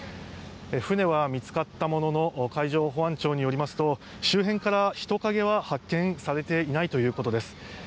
船は見つかったものの海上保安庁によりますと周辺から人影は発見されていないということです。